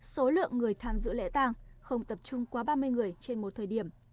số lượng người tham dự lễ tăng không tập trung quá ba mươi người trên một thời điểm